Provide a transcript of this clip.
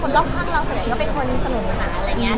คนรอกข้างเราส่วนใหญ่ก็เป็นคนสนุนสมาธิ